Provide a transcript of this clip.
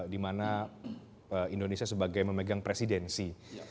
dimana indonesia sebagai memegang presidensi